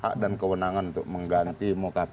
hak dan kewenangan untuk mengganti mau kpu